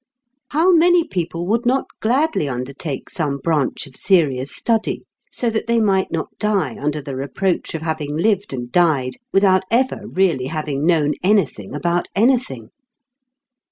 How many people would not gladly undertake some branch of serious study, so that they might not die under the reproach of having lived and died without ever really having known anything about anything!